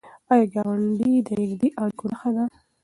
آیا ګاونډی د نږدې اړیکو نښه نه ده؟